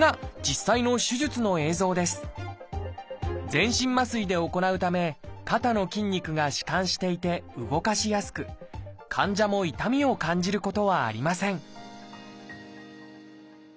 全身麻酔で行うため肩の筋肉が弛緩していて動かしやすく患者も痛みを感じることはありません